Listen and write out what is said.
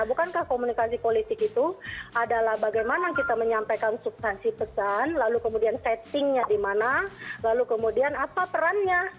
bukankah komunikasi politik itu adalah bagaimana kita menyampaikan substansi pesan lalu kemudian settingnya di mana lalu kemudian apa perannya